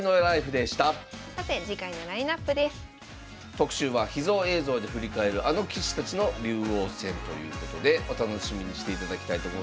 特集は「秘蔵映像で振り返るあの棋士たちの竜王戦」ということでお楽しみにしていただきたいと思います。